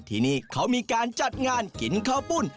ที่นี่เขามีการจัดงานกินข้าวปุ้น